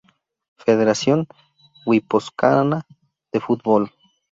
Federación Guipuzcoana de Fútbol